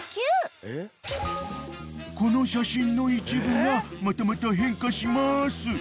［この写真の一部がまたまた変化します］